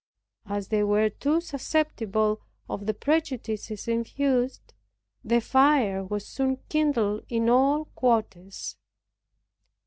As they were too susceptible of the prejudices infused, the fire was soon kindled in all quarters.